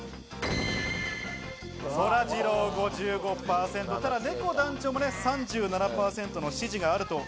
そらジロー５５％、ただ、ねこ団長も３７％の支持がある。